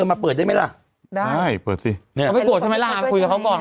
มาเปิดได้ไหมล่ะได้เปิดสิเนี่ยเขาไม่โกรธใช่ไหมล่ะไปคุยกับเขาก่อน